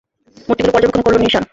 মূর্তিগুলো পর্যবেক্ষণ করল নিসান।